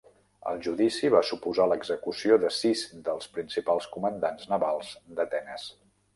El judici va suposar l'execució de sis dels principals comandants navals d'Atenes.